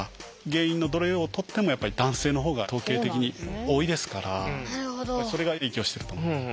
原因のどれをとっても男性の方が統計的に多いですからそれが影響してると思います。